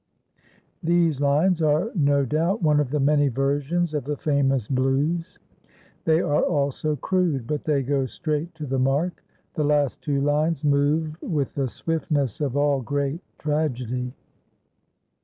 These lines are, no doubt, one of the many versions of the famous "Blues." They are also crude, but they go straight to the mark. The last two lines move with the swiftness of all great tragedy.